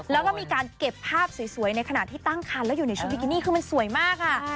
แล้วก็มีการเก็บภาพสวยในขณะที่ตั้งคันแล้วอยู่ในชุดบิกินี่คือมันสวยมากค่ะ